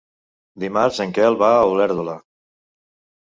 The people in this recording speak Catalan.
Dimarts en Quel va a Olèrdola.